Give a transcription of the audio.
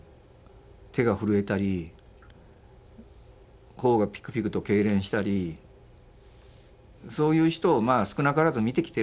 手が震えたり頬がぴくぴくとけいれんしたりそういう人を少なからず見てきているわけですよ。